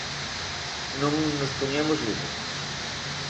Non nos poñemos límites.